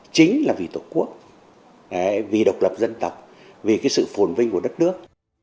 chính là vì tổ quốc vì độc lập dân tộc vì cái sự phồn vinh của đất nước